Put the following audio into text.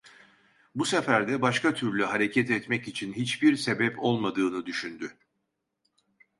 Bu sefer de başka türlü hareket etmek için hiçbir sebep olmadığını düşündü.